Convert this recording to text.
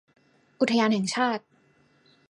อุทยานแห่งชาติ